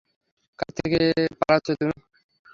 কার থেকে পালাচ্ছো তুমি?